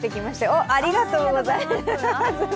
おっ、ありがとうございます。